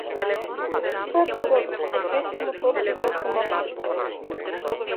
Што е подобро од бесна моторџика со машинка?